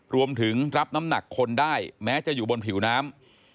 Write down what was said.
รวมถึงรับน้ำหนักคนได้แม้จะอยู่บนผิวน้ำ